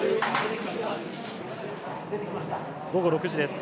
午後６時です。